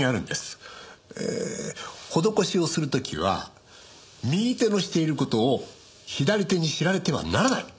ええ施しをする時は右手のしている事を左手に知られてはならない！